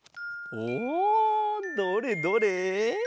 おおどれどれ？